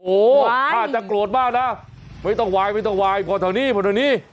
โอ้โหถ้าจะโกรธมากนะไม่ต้องวายไม่ต้องวายพอแถวนี้พอแถวนี้